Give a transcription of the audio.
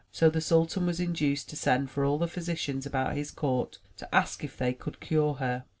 So the sultan was induced to send for all the physicians about his court to ask if they could cure her.